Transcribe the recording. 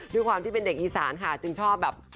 ด้วยความที่เป็นเด็กอีสานค่ะจึงชอบแบบ